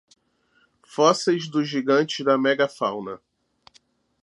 Fósseis dos gigantes da megafauna